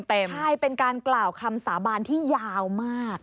ใช่เป็นการกล่าวคำสาบานที่ยาวมาก